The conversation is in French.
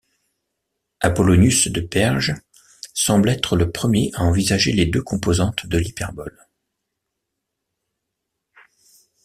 Apollonius de Perge semble être le premier à envisager les deux composantes de l'hyperbole.